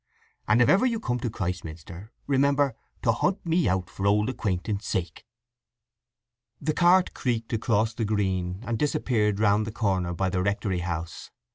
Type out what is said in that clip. And if ever you come to Christminster remember you hunt me out for old acquaintance' sake." The cart creaked across the green, and disappeared round the corner by the rectory house.